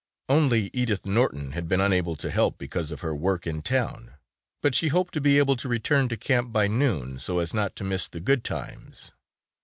Only Edith Norton had been unable to help because of her work in town, but she hoped to be able to return to camp by noon so as not to miss the good times.